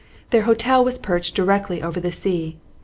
Their hotel was perched directly over the sea.